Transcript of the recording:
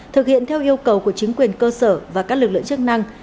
thực hiện theo yêu cầu của chính quyền cơ sở và các lực lượng chức năng